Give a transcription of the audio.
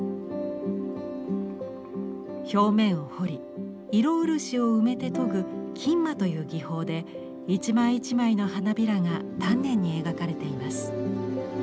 表面を彫り色漆を埋めて研ぐ「蒟醤」という技法で一枚一枚の花びらが丹念に描かれています。